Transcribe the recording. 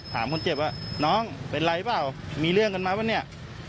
ถามคนเจ็บว่าน้องเป็นไรเปล่ามีเรื่องกันมาป่ะเนี่ย